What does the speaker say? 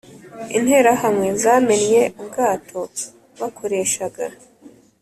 Interahamwe zamennye ubwato bakoreshaga